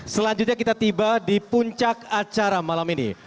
selanjutnya kita tiba di puncak acara malam ini